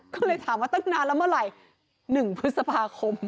ก็เลยถามว่าตั้งนานแล้วเมื่อไหร่๑พฤษภาคม